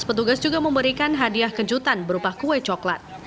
petugas juga memberikan hadiah kejutan berupa kue coklat